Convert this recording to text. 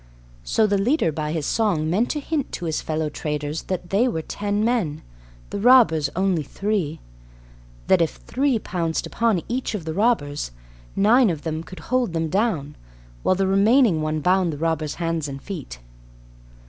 So the leader by his song meant to hint to his fellow traders that they were ten men, the robbers only three, that if three pounced upon each of the robbers, nine of them could hold them down, while the remaining one bound the robbers' hands and feet.